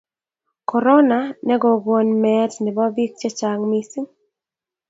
korona ne kogon meet nebo bik chechang mising